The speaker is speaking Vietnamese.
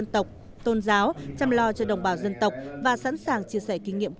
các người già hông biết quá nhiều thông tin về quý vị